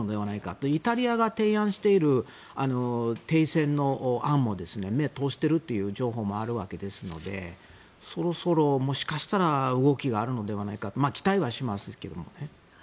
あと、イタリアが提案している停戦の案も目を通しているという情報もあるわけですのでそろそろ、もしかしたら動きがあるのではないかと期待はしますけどもね。